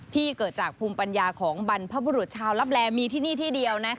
ที่เกิดจากภูมิปัญญาของบรรพบุรุษชาวลับแลมีที่นี่ที่เดียว